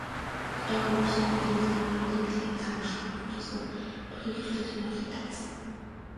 Одоогийн нүүрсний нийлүүлэлтийн гинжин хэлхээг загварчлан үзүүлсэн нь төлөөлөгчдийн сонирхлыг татсан.